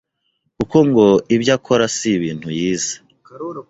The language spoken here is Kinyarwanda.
kuko ngo ibyo akora si ibintu yize.